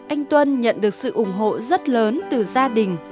anh tuân nhận được sự ủng hộ rất lớn từ gia đình